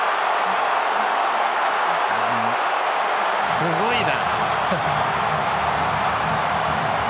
すごいな。